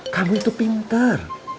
kamu itu pinter